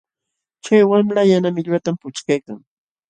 Chay wamla yana millwatam puchkaykan.